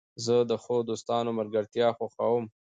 زه د ښو دوستانو ملګرتیا خوښوم.